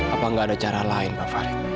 apa nggak ada cara lain pak farid